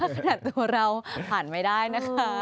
ขนาดตัวเราผ่านไม่ได้นะคะ